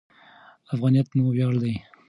افغانیت مو ویاړ دی.